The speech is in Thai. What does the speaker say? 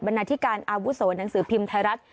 นาธิการอาวุโสหนังสือพิมพ์ไทยรัฐ